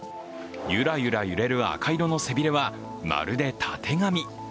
ゆらゆら揺れる赤色の背びれは、まるでたてがみ。